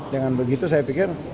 dengan begitu saya pikir